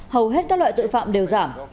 hầu hết các loại tội phạm đều giảm